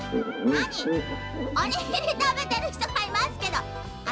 おにぎりたべてるひとがいますけど。